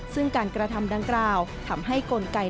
ซึ่งการกระทำดังกล่าวทำให้กลไก